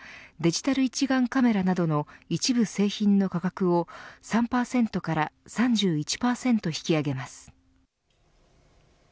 デジタル一眼カメラなどの一部製品の価格を３％から３１％引き上げます。